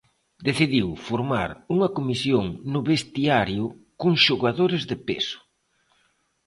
Decidiu formar unha comisión no vestiario con xogadores de peso.